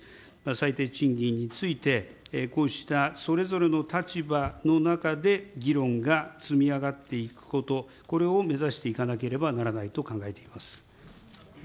最低賃金について、こうしたそれぞれの立場の中で議論が積み上がっていくこと、これを目指していかなければならないと考えています。